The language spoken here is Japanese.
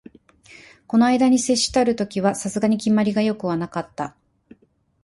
この問に接したる時は、さすがに決まりが善くはなかった